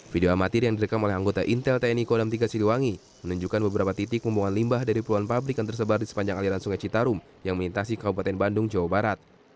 video amatir yang direkam oleh anggota intel tni kodam tiga siliwangi menunjukkan beberapa titik membuangan limbah dari puluhan pabrik yang tersebar di sepanjang aliran sungai citarum yang melintasi kabupaten bandung jawa barat